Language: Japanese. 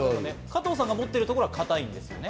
加藤さんが持っているところは固いんですよね。